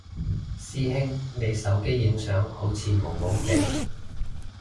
師兄你手機影相好似朦朦哋？